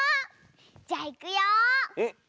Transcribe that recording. じゃいくよ。